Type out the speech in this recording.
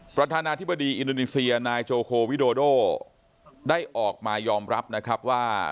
ประธานาธิบดีอินโดนีเซียนายโจโควิโดโดได้ออกมายอมรับนะครับว่า